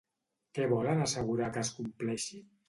Què volen assegurar que es compleixi?